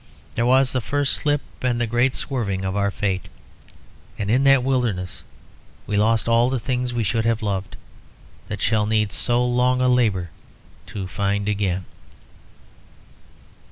There was the first slip and the great swerving of our fate; and in that wilderness we lost all the things we should have loved, and shall need so long a labour to find again.